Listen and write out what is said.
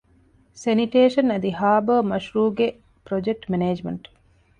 ސެނިޓޭޝަން އަދި ހާރބަރ މަޝްރޫޢުގެ ޕްރޮޖެކްޓް މެނޭޖްމަންޓް